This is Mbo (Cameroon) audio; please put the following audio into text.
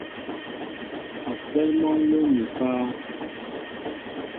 A sέέl mɔ nló ni páá.